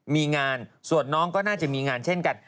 มีงานส่วนน้องก็น่าจะมีงานเช่นกัน